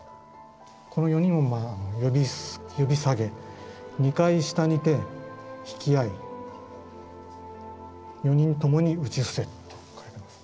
この四人を呼び下げ二階下にて引き合い四人共に打ち伏せ」と書いてます。